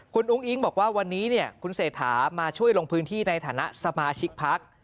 คุณอุ้งอิ๊งบอกว่าวันนี้คุณเศรษฐามาช่วยลงพื้นที่ในฐานะสมาชิกพัก